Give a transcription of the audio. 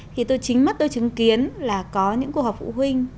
thì tôi chính mắt tôi chứng kiến là có những cuộc họp phụ huynh